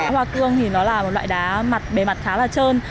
đá hoa cương thì nó là một loại đá bề mặt khá là trơn